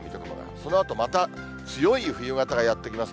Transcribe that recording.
そのあとまた、強い冬型がやって来ます。